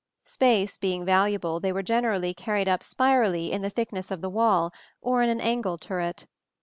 Space being valuable, they were generally carried up spirally in the thickness of the wall, or in an angle turret.